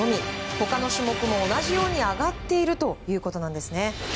他の種目も同じように上がっているということなんです。